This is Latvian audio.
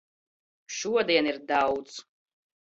Šodien ir daudz.